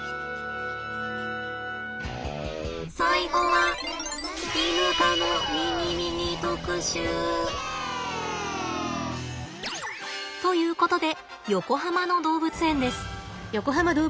最後はイヌ科のミニミニ特集。ということで横浜の動物園です。